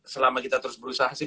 selama kita terus berusaha sih